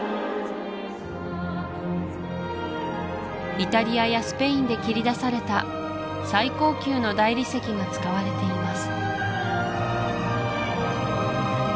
イタリアやスペインで切り出された最高級の大理石が使われています